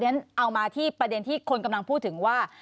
เอามาที่ประเด็นที่คนกำลังพูดถึงว่า